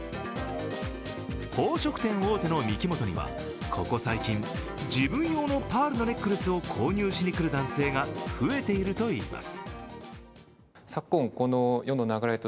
宝飾店大手のミキモトにはここ最近自分用のパールのネックレスを購入しに来る男性が増えているといいます。